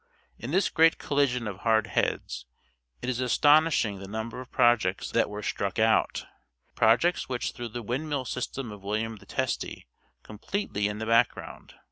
In this great collision of hard heads it is astonishing the number of projects that were struck out; projects which threw the windmill system of William the Testy completely in the background.